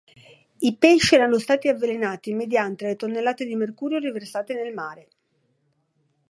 I pesci erano stati avvelenati mediante le tonnellate di mercurio riversate nel mare.